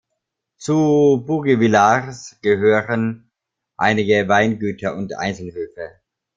Zu Bougy-Villars gehören einige Weingüter und Einzelhöfe.